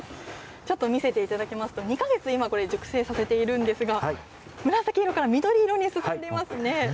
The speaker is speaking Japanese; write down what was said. ちょっと見せていただきますと、２か月今、これ、熟成させているんですが、紫色から緑色に進んでいますね。